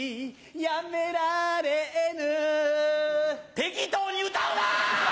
止められぬ適当に歌うな‼